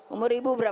umur ibu berapa